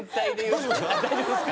大丈夫ですか？